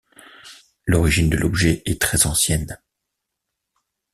L'origine de l'objet est très ancienne.